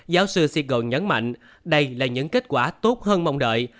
giáo sư sengol nhấn mạnh đây là những kết quả tốt hơn mong đợi